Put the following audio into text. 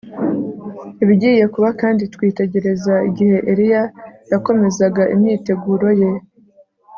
ibigiye kuba kandi rwitegereza igihe Eliya yakomezaga imyiteguro ye